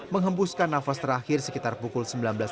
menghembuskan nafas terakhir sekitar pukul sembilan belas tiga puluh